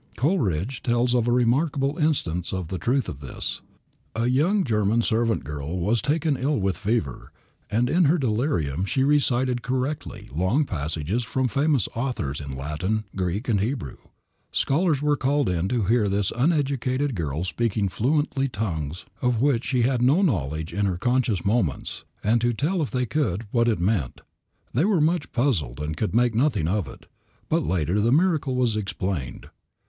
Coleridge tells of a remarkable instance of the truth of this. A young German servant girl was taken ill with a fever, and in her delirium she recited correctly long passages from famous authors in Latin, Greek and Hebrew. Scholars were called in to hear this uneducated girl speaking fluently tongues of which she had no knowledge in her conscious moments, and to tell if they could what it meant. They were much puzzled and could make nothing of it; but later the miracle was explained.